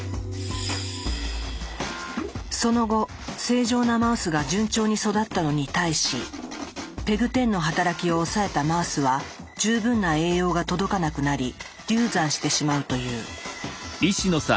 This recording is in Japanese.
その後正常なマウスが順調に育ったのに対しＰＥＧ１０の働きを抑えたマウスは十分な栄養が届かなくなり流産してしまうという。